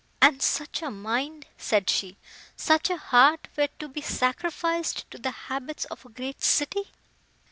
"And such a mind," said she, "such a heart, were to be sacrificed to the habits of a great city!"